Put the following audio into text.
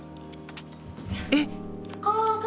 えっ？